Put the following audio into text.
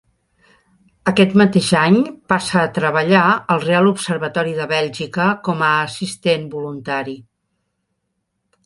Aquest mateix any passa a treballar al Reial Observatori de Bèlgica com a assistent voluntari.